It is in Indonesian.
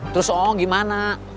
terus ong gimana